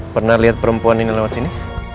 pernah lihat perempuan ini lewat sini